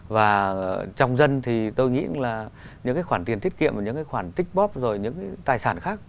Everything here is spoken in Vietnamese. và trong dân thì tôi nghĩ là những cái khoản tiền thiết kiệm những cái khoản tích bóp rồi những cái tài sản khác